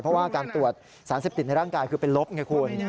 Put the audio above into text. เพราะว่าการตรวจสารเสพติดในร่างกายคือเป็นลบไงคุณ